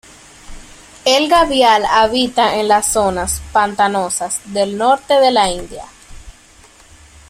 El gavial habita en las zonas pantanosas del norte de la India.